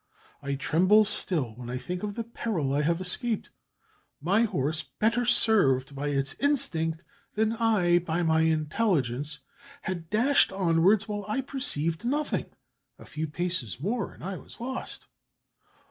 I tremble still when I think of the peril I have escaped; my horse, better served by its instinct than I by my intelligence, had dashed onwards, while I perceived nothing: a few paces more and I was lost!